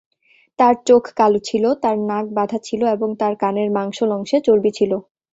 তার চোখ কালো ছিল, তার নাক বাঁধা ছিল, এবং তার কানের মাংসল অংশে চর্বি ছিল।